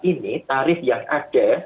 ini tarif yang ada